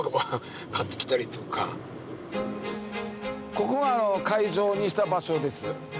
ここが会場にした場所です。